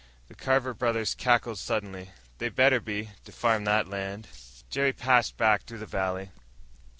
The Carver brothers cackled suddenly. "They better be! To farm that land." Jerry passed back through the valley.